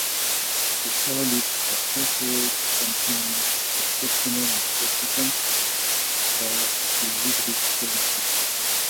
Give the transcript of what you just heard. The soil is calcareous, something exceptional in Corsica where it usually is granitic.